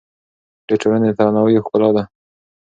د ټولنې تنوع یو ښکلا ده.